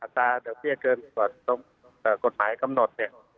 แต่เรียกเกินกฎหมายกำหนด